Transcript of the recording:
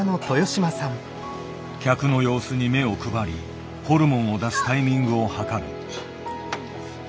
客の様子に目を配りホルモンを出すタイミングを計る。